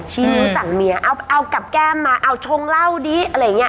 ชี้นิ้วสั่งเมียเอากับแก้มมาเอาชงเหล้าดิอะไรอย่างนี้